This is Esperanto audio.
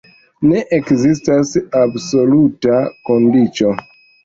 Ne ekzistas absoluta kondiĉo.